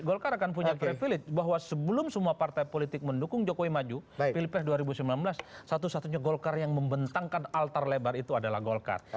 dan golkar akan punya privilege bahwa sebelum semua partai politik mendukung jokowi maju pilipes dua ribu sembilan belas satu satunya golkar yang membentangkan altar lebar itu adalah golkar